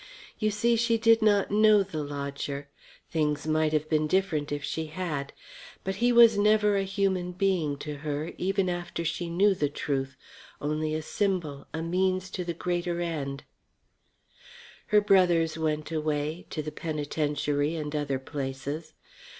You see, she did not know the lodger. Things might have been different if she had. But he was never a human being to her, even after she knew the truth; only a symbol, a means to the great end. Her brothers went away to the penitentiary and other places.